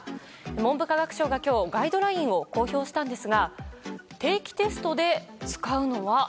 文部科学省が今日ガイドラインを公表したんですが定期テストで使うのは？